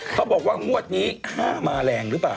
เขาบอกว่างวดนี้ค่ามาแรงหรือเปล่า